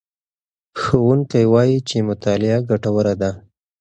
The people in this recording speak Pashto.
ښوونکی وایي چې مطالعه ګټوره ده.